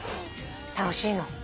楽しいの？